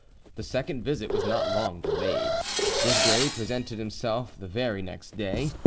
The second visit was not long delayed: Desgrais presented himself the very next day.